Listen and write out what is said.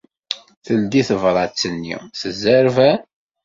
Teldi tabrat-nni s zzerban.